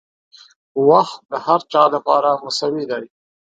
• وخت د هر چا لپاره مساوي دی.